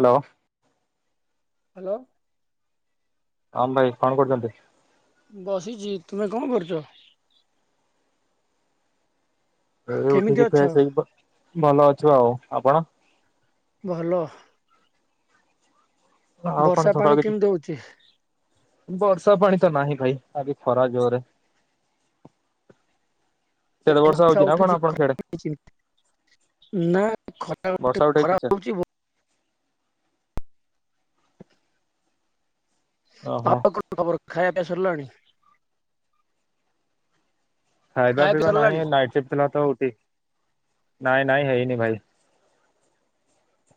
Hello. Hello. ହଁ ଭାଇ କଣ କରୁଛନ୍ତି? ବସିଛି ତୁମେ କଣ କରୁଛ? ଏ କେମିତି ଉଠିକି ଅଛ ଫ୍ରେଶ ହେଇକି ବ ଭଲ ଅଛୁ ଆଉ ଆପଣ? ଭଲ। ଆଉ କଣ ବର୍ଷା ପାଣି ସକାଳୁ କିଛିି କେମିତି ହଉଛି ବର୍ଷା ପାଣି ତ ନାହିଁ ଭାଇ ଆଜି ଖରା ଜୋରେ ସିଆଡେ ଇଆଡ଼େ ବର୍ଷା ହଉଛି ନା ଉଠେଇଛି କଣ ଆପଣଙ୍କ ସିଆଡେ? ଖରା ହେଇଛି। ନା ଖ ବର୍ଷା ଉଠେଇଛି ସାର୍ [unintelligible] ହଉଛି। ଓହୋ। ଆଉ କଣ ଖବର ଖାଇବା ପିଇବା ସରିଲାଣି? ଖାଇବା ପିଇବା ନାହିଁ ନାଇଟ ସିଫ୍ଟ୍ ଥିଲା ତ ଉଠିକି ନାଇଁ ନାଇଁ ହେଇନି ଭାଇ।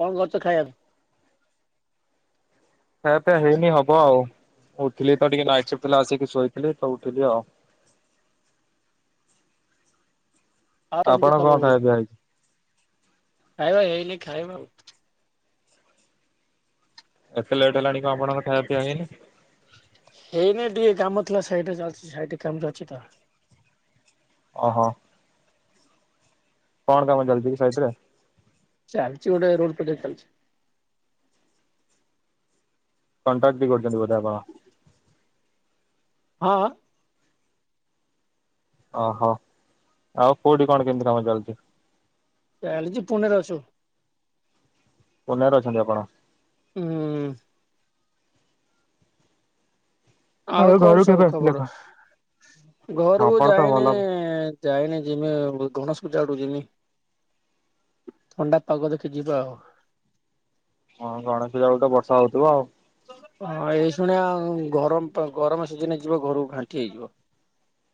କଣ କରୁଛ ଖାଇବାକୁ? ଖାୟା ପିୟା ହେଇନି ହବ ଆଉ। ଉଠିଲି ତ ଟିକେ ନାଇଟ୍ ସିଫ୍ଟ୍ ଥିଲା ଆସିକି ଶୋଇଥିଲି ତ ଉଠିଲି ଆଉ। ଆଉ କେମିତି ଆପଣ କଣ ଖବର କୁହ? ଖାଇବା ପିଇବା ହେଇଛି? ଖାଇବା ହେଇନି, ଖାଇବା ଆଉ। ଏତେ ଲେଟ୍ ହେଲାଣି କଣ ଆପଣଙ୍କ ଖାଇବା ପିଇବା ହେଇନି? ହେଇନି ଟିକେ କାମ ଥିଲା ଇହିଡ଼େ ଚାଲିଛି ସାଇଟଠିକେ କାମରେ ଅଛି ତ। ଓହୋ କଣ କାମ ଚାଲିଛି କି ସାଇଟରେ? ଚାଲଛି ଗୋଟେ ରୋଡ ପ୍ରୋଜେକ୍ଟ ଚାଲିଛି। କନ୍ତ୍ରାକ୍ଟିଂ ବି କରିଛନ୍ତି ବୋଧେ ଆପଣ? ହଁ। ଓହୋ। ଆଉ କୋଉଠି କଣ କେମିତି କାମ ଚାଲିଛି। ଚାଲିଛି ପୁନେରେ ଅଛୁ। ପୁନେରେ ଅଛନ୍ତି ଆପଣ? ହୁଁ। ହୁଁ ଆଉ କଣ ଘରୁ କେବେ ସବୁ ଆସିଲେ ଖବର? କଣ? ଘରକୁ ଖବର ତ ଯାଇନି ଭଲ ଯାଇନି ଯିମି। ଗଣେଶ ପୂଜା ଆଡ଼କୁ ଯିମି। ଥଣ୍ଡା ପାଗ ଦେଖି ଯିବା ଆଉ। ହଁ ଗଣେଶ ପୂଜାକୁ ତ ବର୍ଷା ହଉଥିବ ଆଉ। ହଁ ଏଇ ଶୁଣିଆ ଆଉ ଗରମ ଗରମ ସିଯିନରେ ଯିବ ଘରକୁ ଘାଣ୍ଟି ହେଇଯିବ।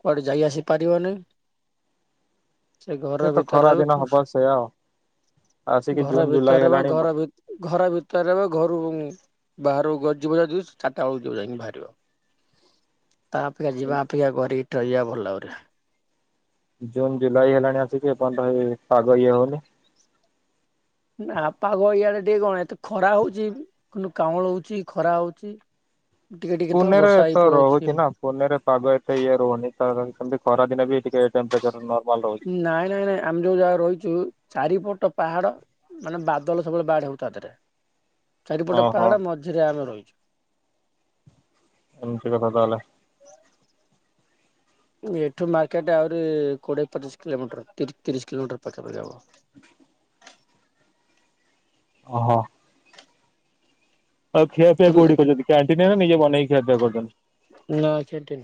କୁଆଡ଼େ ଯାଇ ଆସିପାରିବନି। ସେ ଘର ତ ଭିତରେ ଖରା ଦିନ ରହିବ। ହବ ସେଇଆ ଆଉ ଆସିକି ଜୁନ ଘର ଜୁଲାଇ ଭିତରେ ବା ହେଲାଣି ଘର ଭିତ ଘର ଭିତରେ ରହିବ, ଘରୁ ବାହାରୁକୁ କୁଆଡ଼େ ଯିବ ଯଦି ଚାରିଟା ବେଳକୁ ଯିବ ଯାଇକି ବାହାରିବ। [inaudible] ତା ଅପେକ୍ଷା ଯିବା ଅପେକ୍ଷା ଘରେ ଏଇଠେ ରହିଯିବା ଭଲ ଆହୁରି। ଜୁନ ଜୁଲାଇ ହେଲାଣି ଆସିକି ଏପନ୍ତ ହେଇ ପାଗ ଇଏ ହଉନି। ନା ପାଗ ଇଆଡେ ଟିକେ କଣ ଏତେ ଖରା ହଉଛି କିନ୍ତୁ କାଉଁଳ ହଉଛି ଖରା ହଉଛି। ଟିକେ ଟିକେ କେତେଳ ପୁନେରେ ବର୍ଷା ତ ହେଇ ପଳାଉଛି। ରହୁଛି ନା ପୁନେରେ ପାଗ ଏତେ ଇଏ ରହୁନି ତ ସେମିତି ଖରା ଦିନେ ବି ଟିକେ ଟେମ୍ପରେଚର ନର୍ମାଲ ରହୁଛି। ନାଇଁ ନାଇଁ ନାଇଁ ଆମେ ଯୋଉ ଜାଗାରେ ରହିଛୁ ଚାରିପଟ ପାହାଡ। ମାନେ ବାଦଲ ସବୁବେଳେ ବାଡ ହଉ ତା ଦେହରେ। ଚାରିପଟ ଓହୋ ପାହାଡ ମଝିରେ ଆମେ ରହିଛୁ। ଏମତି କଥା ତାହେଲେ! ଏଇଠୁ ମାର୍କେଟ୍ ଆହୁରି କୋଡ଼ିଏ ପଚିଶ କିଲୋମିଟର ତିରି ତିରିଶ କିଲୋମିଟର ପାଖାପଖି ହେବ। ଓହୋ। ଆଉ ଖିଆପିଆ ତମେ କୋଉଠି କରଛନ୍ତି। କ୍ୟାଣ୍ଟିନ ନା ନିଜେ ବନେଇକି ଖିଆ ପିଆ କରିଛନ୍ତି? ନା କ୍ୟାଣ୍ଟିନ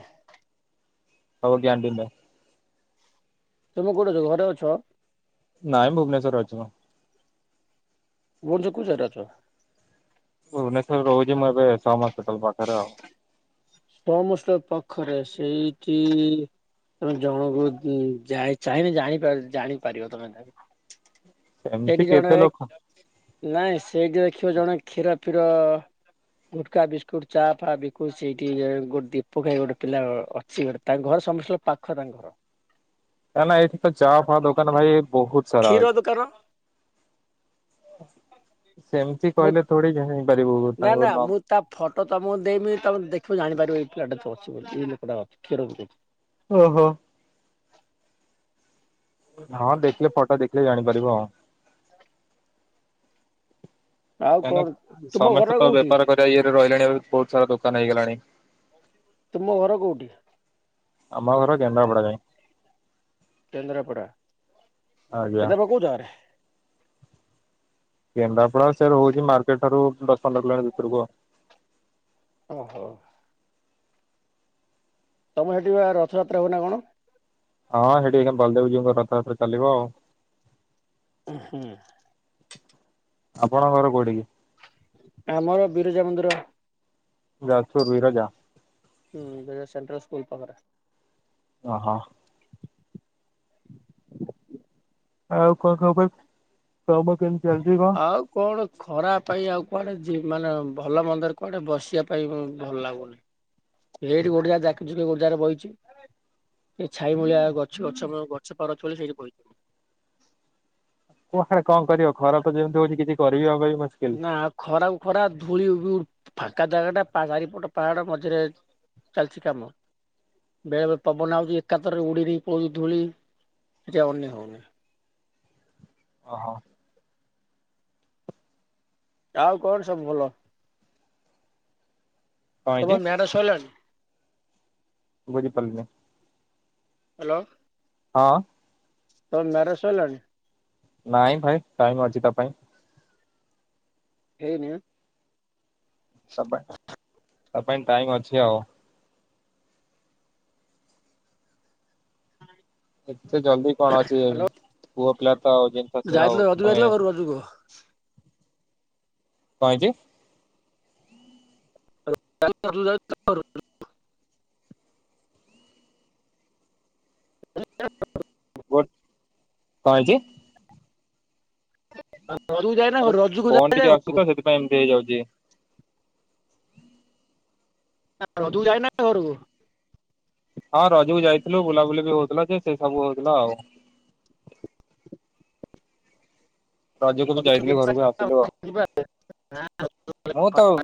ହୋଉ କ୍ୟାଣ୍ଟିନରେ। ତମେ କୋଉଠି ଅଛ। ଘରେ ଅଛ? ନାଇଁ ଭୁବନେଶ୍ୱର ଅଛି ମୁଁ। [unintelligible] ଭୁବନେଶ୍ଵରରେ ରହୁଛି ମୁଁ ଏବେ ସମ ହସପିଟାଲ ପାଖରେ ଆଉ। ସମ ହସପିଟାଲ ପାଖରେ। ସେଇଠି ତମେ ଜଣକୁ ଚାହିଁନ ଜାଣି ଜାଣିପାରିବ ତମେ ତାକୁ। [inaudible] ସେଇଠି ଜଣେ କେତେ ଲୋକ ନାଇଁ ସେଇଠି ଦେଖିବ ଜଣେ କ୍ଷୀର ଫିର ଗୁଟଖା ବିସ୍କୁଟ ଚା ଫ ବିକୁଛିି। ଟିକେ ଗୋଟେ ଦୀପକ ଭାଇ ଗୋଟେ ପିଲା ଅଛି ଗୋଟେ ତାଙ୍କ ଘର ସମସ୍ତେ ପାଖ ତାଙ୍କ ଘର। ନା ଏଇଠି ତ ଚା ଫା ଦୋକାନ ଭାଇ ବହୁତ ସାରା କ୍ଷୀର ଅଛି। ଦୋକାନ ସେମତି ମୁଁ କହିଲେ ଥୋଡି ଚିନୀପାରିବୁ ନା ତାଙ୍କ ନା ନାମ ମୁଁ ତା ଫଟୋ ତମକୁ ଦେଇମି ତମେ ଦେଖିବୁ ଜାଣିପାରିବ ଏଇ ପିଲାଟା ଅଛି ବୋଲି ଏଇ ଲୋକଟା କ୍ଷୀର। ଓହୋ। ହଁ ଦେଖିଲେ ଫଟୋ ଦେଖିଲେ ଜାଣିପାରିବ ହଁ। ଆଉ କଣ କାଁକ ତୁମ ଘର ସମସ୍ତେ ତ କୋଉଠି ବେପାର କରିବା ଇଏରେ ରହିଲାଣି ବହୁତ ସାରା ଦୋକାନ ହେଇଗଲାଣି। ତୁମ ଘର କୋଉଠି? ଆମ ଘର କେନ୍ଦ୍ରାପଡ଼ା ରେ। କେନ୍ଦ୍ରାପଡା ଆଜ୍ଞା। କେନ୍ଦ୍ରାପଡା କୋଉ ଜାଗରେ? କେନ୍ଦ୍ରାପଡା ସେ ରହୁଛି ମାର୍କେଟ ଠାରୁ ଦଶ ପନ୍ଦର କିଲୋମିଟର ଭିତରକୁୁ। ଓଁ ହୋ। ତମର ହେଠି ରଥଯାତ୍ରା ହୁଏ ନା କଣ? ହଁ ହେଠି ବଲଦେବଜୀଉଙ୍କ ରଥଯାତ୍ର ଚାଲିବ ଆଉ। ହୁଁ। ଆପଣଙ୍କ ଘର କୋଉଠି କି? ଆମର ବିରଜା ମନ୍ଦିର। ଯାଯୁପୁର ବିରଜା। ହୁଁ ସେଟା ସେଣ୍ଟ୍ରାସ୍କୁଲ ପାଖରେ। ଓହୋ। ଆଉ କଣ ଖବର କାମ କେମିତି କଣ ଚାଲିଛି କଣ? ଆଉ କଣ ଖରା ପାଇଁ ଆଉ କୁଆଡେ ଯି ମାନେ ଭଲ ମନ୍ଦ କୁଆଡେ ବସିବା ପାଇଁ ଭଲ ଲାଗୁନି। ଏଇଠି ଗୋଟା ଜାକିଯୁକା ଗୋଟେ ଜାଗାରେ ବଇଛି। ସେ ଛାଇ ମୂଳିଆ ଗଛ ଗଛ ଗଛ ପାରଛଳି ସେଇଠି ପଡିଛି। [inaudible] କଣ କରିବ ଖରା ତ ଯେମିତି ହଉଛି କିଛି କରିବି ଆଉ ପାଇଁ ନା ଖରା କୁ ଖରା ଧୂଳି ଉଡୁ ଫାଙ୍କା ଜାଗା ଟା ଚାରିପଟ ପାହାଡ ମଝିରେ ଚାଲିଛି କାମ। ବେଳେବେଳେ ପବନ ଆଉଛି ଏକାତ୍ରରେ ଉଡେଦେଇ ପଳଉଛି ଧୂଳି ଠିଆ ହଉନି ଆଉ। ହଁ। ଆଉ କଣ ସବୁ ଭଲ? କଣ ହେଇଛି? ତମର ମ୍ୟାରେଜ ସଇଲାଣି? ବୁଝିପାରିଲିନି? ହ୍ୟାଲୋ ହଁ ତ ମ୍ୟାରେଜ ସଇଲାଣି ନାଇଁ ଭାଇ ଟାଇମ ଅଛି ତା ପାଇଁ ହେଇନି ତା ପାଇଁ ତା ପାଇଁ ଟାଇମ ଅଛି ଆଉ ଏତେ ଜଲଦି କଣ ଅଛି ଯ ହ୍ୟାଲୋ ପୁଅପିଲତା ହ ଯେନ୍ତା ସେ ତମେ ଯାଇଥିଲ ରଜକୁ କଣ ଯାଇଥିଲ ଘରୁ ରଜକୁ ହେଇଛି ଚା [unintelligible] ହ [unintelligible] କୋ କଣ ହେଇଛି ରଜକୁ ଯାଇନା ରଜକୁ ଫୋନ ଯାଏ ଟିକେ ଆସୁଛି ଘରକୁ ତ ସେଥିପାଇଁ ଏମିତି ହେଇଯାଉଛି ତରଜକୁ ଯାଇନା ଘରକୁୁ ହଁ ରଜକୁ ଯାଇଥିଲୁ ବୁଲାବୁଲି ବି ହଉଥିଲା ଯେ ସେ ସବୁ ହଉଥିଲା ଆଉ ରଜକୁ ବି ଯାଇଥିଲୁ ଘରକୁ ଆସିଲୁ ଆଉ ହବ ତ ଆଉ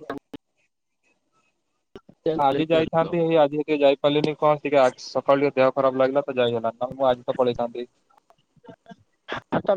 ଆଜି ଘରକୁ ଯାଇଥାନ୍ତି ହେଇ ଆଜି ଟିକେ ଯାଇ ପାରିଲିନି କଣ ଟିକେ ସକାଳ ଟିକେ ଦେହ ଖରାପ ଲାଗିଲା ତ ଯାଇ ହେଲାନି ନଁ ମୁଁ ଆଜି ତ ପଳେଇଥାନ୍ତି ତ